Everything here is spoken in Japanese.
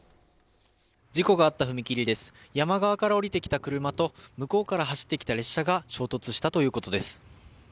事故があった踏切です山側から降りてきた車と、向こうから走ってきた列車が衝突したということです。